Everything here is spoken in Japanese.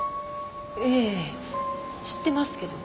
ええ知ってますけど。